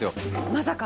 まさか。